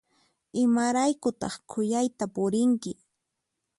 Imaraykutaq khuyayta purinki?